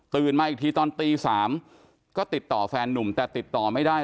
มาอีกทีตอนตี๓ก็ติดต่อแฟนนุ่มแต่ติดต่อไม่ได้